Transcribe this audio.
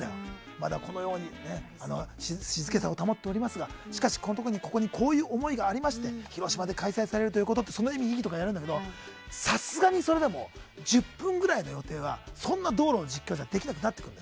まだ、このように静けさを保っておりますがしかしこういう思いがありまして広島で開催されるのですって言うんだけどさすがにそれでも１０分くらいの予定が道路の実況じゃできなくなってくる。